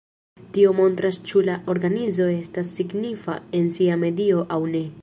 Tio montras ĉu la organizo estas signifa en sia medio aŭ ne.